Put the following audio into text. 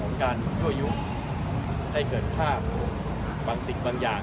ของการล่วยุ้งได้เกิดผ้าบังสิ่งบางอย่าง